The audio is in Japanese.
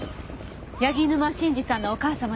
柳沼真治さんのお母様ですね？